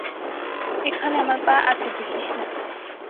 এখানে আমার পা আছে দেখিস না।